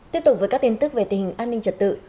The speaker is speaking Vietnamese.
tiếp tục với các tin tức về tình hình an ninh trật tự